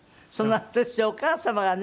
私お母様がね